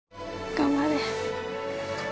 頑張れ。